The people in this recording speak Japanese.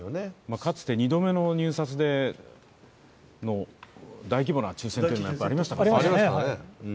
かつて２度目の入札での大規模な抽選がありましたからね。